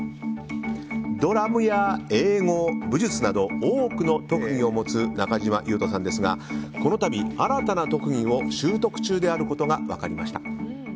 ドラムや英語、武術など多くの特技を持つ中島裕翔さんですがこの度、新たな特技を習得中であることが分かりました。